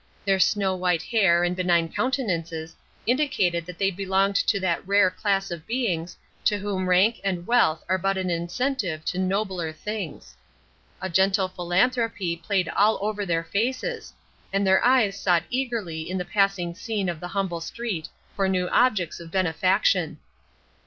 Their snow white hair and benign countenances indicated that they belonged to that rare class of beings to whom rank and wealth are but an incentive to nobler things. A gentle philanthropy played all over their faces, and their eyes sought eagerly in the passing scene of the humble street for new objects of benefaction.